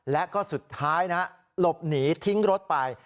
และก็สุดท้ายนะหลบหนีทิ้งรถไป